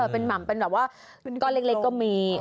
เป็นมัมไปเหล็กก็มี